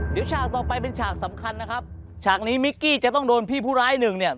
เดี๋ยวฉากต่อไปเป็นฉากสำคัญนะครับฉากนี้มิกกี้จะต้องโดนพี่ผู้ร้ายหนึ่งเนี่ย